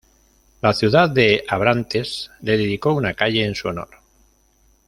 La ciudad de Abrantes le dedicó una calle en su honor.